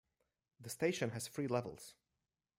The station has three levels.